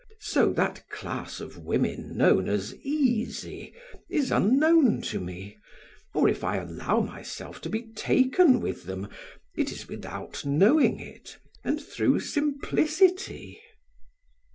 So that class of women known as easy is unknown to me, or if I allow myself to be taken with them, it is without knowing it, and through simplicity.